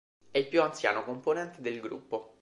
È il più anziano componente del gruppo.